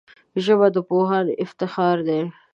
ژبه د پوهانو افتخار دی